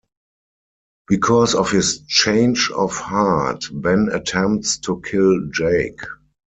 Because of his change of heart, Ben attempts to kill Jake.